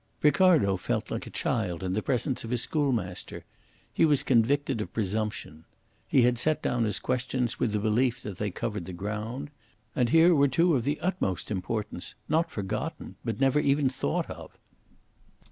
Ricardo felt like a child in the presence of his schoolmaster. He was convicted of presumption. He had set down his questions with the belief that they covered the ground. And here were two of the utmost importance, not forgotten, but never even thought of.